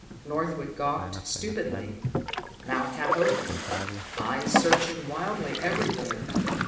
Northwood gawked stupidly, mouth half open, eyes searching wildly everywhere.